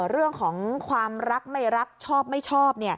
เรื่องของความรักไม่รักชอบไม่ชอบ